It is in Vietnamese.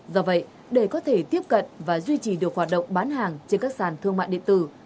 do vậy để có thể tiếp cận và duy trì được hoạt động bán hàng trên các sàn thương mại điện tử